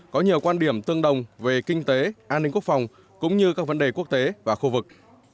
có nhiều quan điểm tương đồng về kinh tế an ninh quốc phòng cũng như các vấn đề quốc tế và khu vực